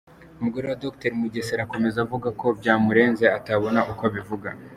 Umugore wa Dr Mugesera akomeza avuga ko byamurenze atabona uko abivuga.